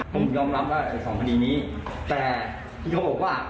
ผมยอมรับว่าในสองคดีนี้แต่พี่เขาบอกว่า